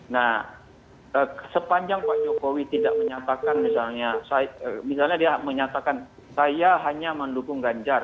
nah sepanjang pak jokowi tidak menyatakan misalnya dia menyatakan saya hanya mendukung ganjar